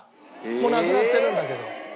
もう亡くなってるんだけど。